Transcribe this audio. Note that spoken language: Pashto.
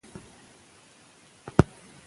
هغه د خپلو خلکو لپاره ډېرې قربانۍ ورکړې.